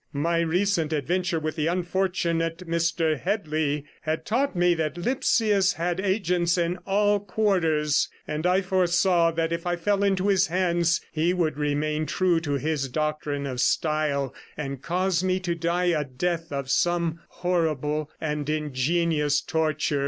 My recent adventure with the unfortunate Mr Headley had taught me that Lipsius had agents in all quarters; and I foresaw that if I fell into his hands, he would remain true to his doctrine of style, and cause me to die a death of some horrible and ingenious torture.